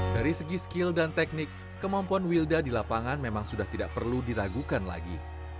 dari segi skill dan teknik kemampuan wilda di lapangan memang sudah tidak perlu diragukan lagi